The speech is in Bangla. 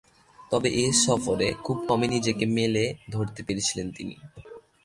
তবে, এ সফরে খুব কমই নিজেকে মেলে ধরতে পেরেছিলেন তিনি।